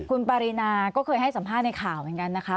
คุณปารีนาก็เคยให้สัมภาษณ์ในข่าวเหมือนกันนะคะ